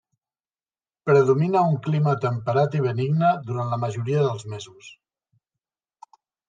Predomina un clima temperat i benigne durant la majoria dels mesos.